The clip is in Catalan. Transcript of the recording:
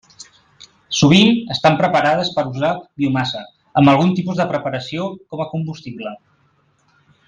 Sovint estan preparades per usar biomassa, amb algun tipus de preparació, com a combustible.